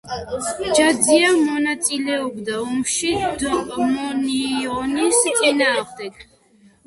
ჯაძია მონაწილეობდა ომში დომინიონის წინააღმდეგ.